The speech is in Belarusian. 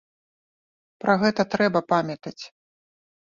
Пра гэта трэба памятаць!